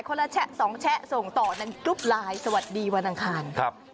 คนละแชะสองแชะส่งต่อนั่นรูปไลน์สวัสดีวันอังคาร